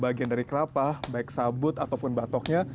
bagian dari kelapa baik sabut ataupun batoknya